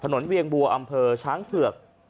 เวียงบัวอำเภอช้างเผือก